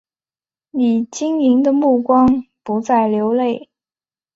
你晶莹的目光不再流泪